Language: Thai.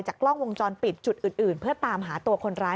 กล้องวงจรปิดจุดอื่นเพื่อตามหาตัวคนร้าย